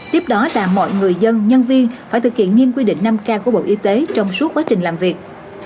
tiếp đó là mọi người dân nhân viên phải thực hiện nghiêm quy định năm k của bộ y tế trong suốt quá trình làm việc